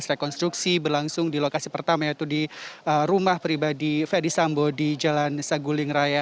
rekonstruksi berlangsung di lokasi pertama yaitu di rumah pribadi ferdis sambo di jalan saguling raya